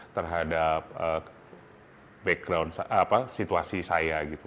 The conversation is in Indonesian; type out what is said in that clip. terhadap background situasi saya gitu